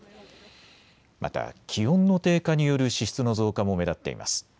また気温の低下による支出の増加も目立っています。